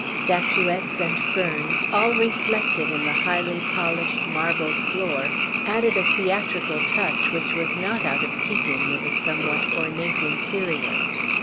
Statuettes and ferns, all reflected in the highly polished marble floor, added a theatrical touch which was not out of keeping with a somewhat ornate interior.